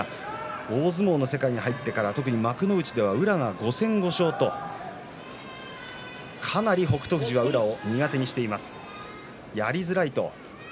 大相撲の世界に入ってから幕内の対戦は宇良が５戦５勝北勝富士は宇良を苦手にしています。